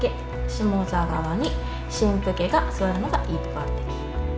下座側に新婦家が座るのが一般的。